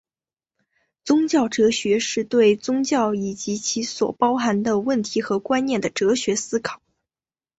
宗教哲学是对宗教以及其所包含的问题和观念的哲学思考。